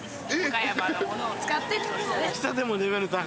岡山のものを使ってってことね。